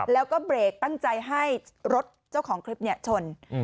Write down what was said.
แล้วก็เบรกตั้งใจให้รถเจ้าของคลิปชน